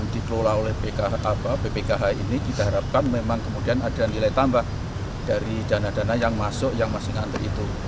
dan dikelola oleh ppkh ini kita harapkan memang kemudian ada nilai tambah dari dana dana yang masuk yang masih nanti itu